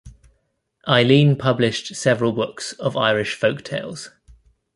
Eileen published several books of Irish folk-tales.